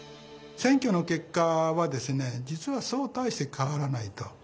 選挙の結果は実はそう大して変わらないと。